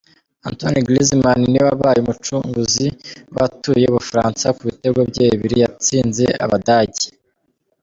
AntoineGriezman niwe wabaye umucungzi w'abatuye Ubufaransa ku bitego bye bibiri yatsinze Abadage.